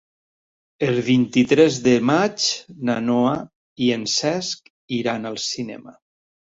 El vint-i-tres de maig na Noa i en Cesc iran al cinema.